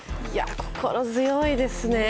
心強いですね。